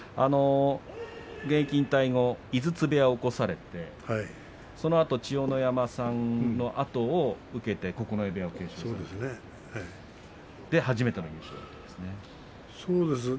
現役引退後井筒部屋を興されてそのあと千代の山さんのあとを受けて九重部屋を継承されて初めての優勝ですね。